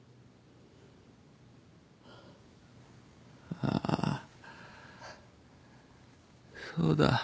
あそうだ。